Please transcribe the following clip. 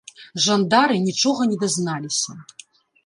Жандары нічога не дазналіся.